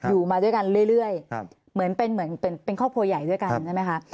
อยู่มาด้วยกันเรื่อยเหมือนเป็นเหมือนเป็นครอบครัวใหญ่ด้วยกันใช่ไหมคะ